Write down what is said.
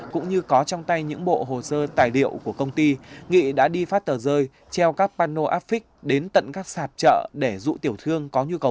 cũng như có trong tay những bộ hồ sơ tài liệu của công ty nghị đã đi phát tờ rơi treo các panel affix đến tận các sạp chợ để rụ tiểu thương